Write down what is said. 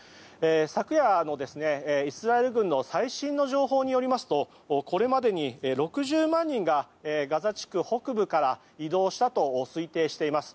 昨夜のイスラエル軍の最新の情報によりますとこれまでに６０万人がガザ地区北部から移動したと推定しています。